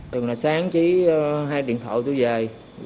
từng là sáng trí hay điện thoại tôi về